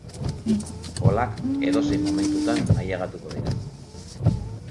Golak edozein momentutan ailegatuko dira.